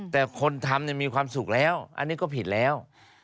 แต่คนทำมีความสุขแล้วอันนี้ก็ผิดแล้ว